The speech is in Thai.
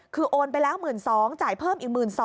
คือโอนไปแล้ว๑๒๐๐จ่ายเพิ่มอีก๑๒๐๐